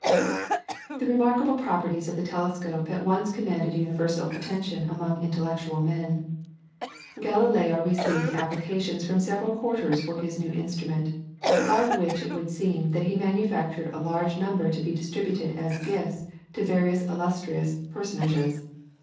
The remarkable properties of the telescope at once commanded universal attention among intellectual men. Galileo received applications from several quarters for his new instrument, of which it would seem that he manufactured a large number to be distributed as gifts to various illustrious personages.